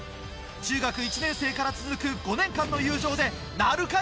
中学１年生から続く５年間の友情でなるか？